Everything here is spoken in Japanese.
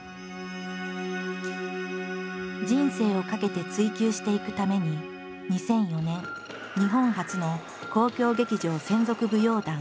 人生を懸けて追求していくために２００４年日本初の公共劇場専属舞踊団Ｎｏｉｓｍに入団。